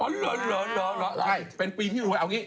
ใช่เป็นปีที่รวย